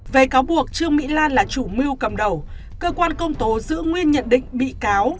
về cáo buộc trương mỹ lan là chủ mưu cầm đầu cơ quan công tố giữ nguyên nhận định bị cáo